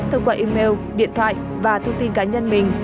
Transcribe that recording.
thông qua email điện thoại và thông tin cá nhân mình